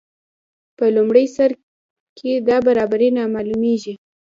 په لومړي سر کې دا برابري نه معلومیږي.